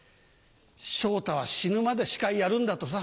昇太は死ぬまで司会やるんだとさ。